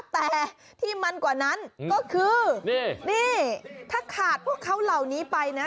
แต่ที่มันกว่านั้นก็คือนี่ถ้าขาดพวกเขาเหล่านี้ไปนะ